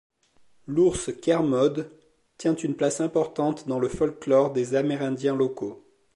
L'ours Kermode tient une place importante dans le folklore des Amérindiens locaux.